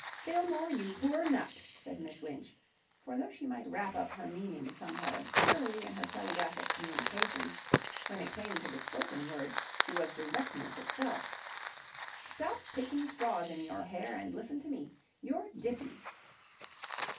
"Fillmore, you poor nut," said Miss Winch, for though she might wrap up her meaning somewhat obscurely in her telegraphic communications, when it came to the spoken word she was directness itself, "stop picking straws in your hair and listen to me. You're dippy!"